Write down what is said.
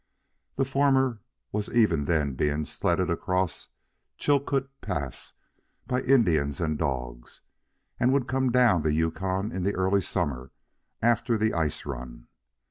The former was even then being sledded across Chilcoot Pass by Indians and dogs, and would come down the Yukon in the early summer after the ice run.